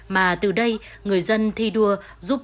mà từ đây người dân thi đua giúp đỡ nhân dân